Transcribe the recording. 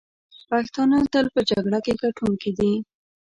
پښتانه تل په جګړه کې ګټونکي دي.